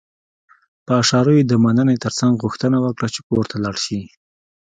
په اشارو يې د مننې ترڅنګ غوښتنه وکړه چې کور ته لاړ شي.